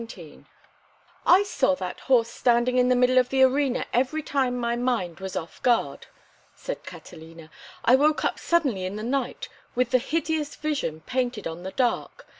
XVII "I saw that horse standing in the middle of the arena every time my mind was off guard!" said Catalina. "I woke up suddenly in the night with the hideous vision painted on the dark.